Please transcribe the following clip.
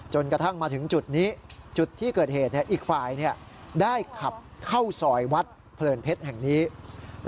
จนกระทั่งมาถึงจุดที่เกิดเหตุฝ่ายได้ขับเข้าสอยวัดเผลินเพชร